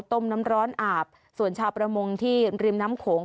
น้ำร้อนอาบส่วนชาวประมงที่ริมน้ำโขง